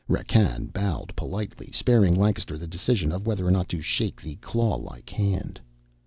Rakkan bowed politely, sparing Lancaster the decision of whether or not to shake the clawlike hand.